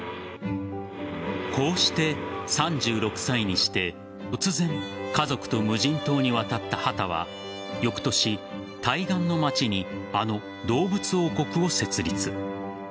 こうして、３６歳にして突然、家族と無人島に渡った畑は翌年、対岸の町にあの動物王国を設立。